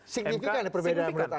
signifikan ya perbedaan menurut anda